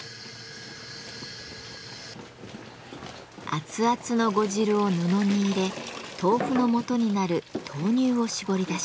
アツアツの呉汁を布に入れ豆腐のもとになる「豆乳」をしぼり出します。